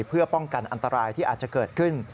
เพื่อป้องกันอันตรายที่อาจจะเกิดขึ้น